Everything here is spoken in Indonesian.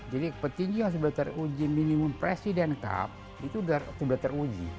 jadi petinju yang sudah teruji minimum presiden kapal itu sudah teruji